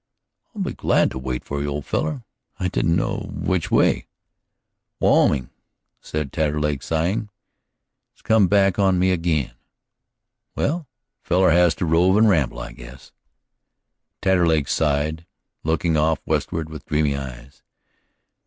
"I'll be glad to wait for you, old feller. I didn't know which way " "Wyoming," said Taterleg, sighing. "It's come back on me ag'in." "Well, a feller has to rove and ramble, I guess." Taterleg sighed, looking off westward with dreamy eyes.